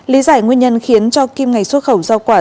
lý giải nguyên nhân khiến cho kim ngạch xuất khẩu rau quả